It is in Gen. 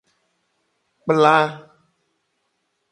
Kpla.